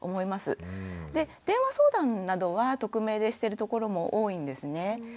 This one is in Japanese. で電話相談などは匿名でしてる所も多いんですね。